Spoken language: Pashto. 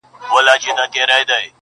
o بیا ویشتلی د چا سترګو مستانه یې,